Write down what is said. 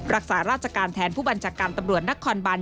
รักษาราชการแทนผู้บัญชาการตำรวจนครบัน